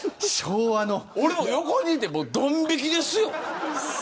俺も横にいてどん引きですよ。